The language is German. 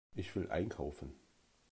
Ich will einkaufen.